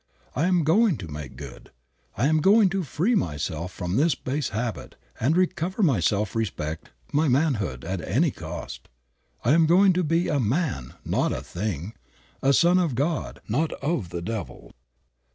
I am going to make good. I am going to free myself from this base habit and recover my self respect, my manhood, at any cost. I am going to be a MAN, not a THING, a son of God, not of the devil."